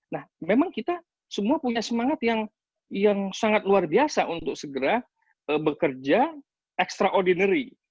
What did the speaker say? nah memang kita semua punya semangat yang sangat luar biasa untuk segera bekerja extraordinary